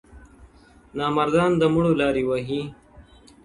o نامردان د مړو لاري وهي٫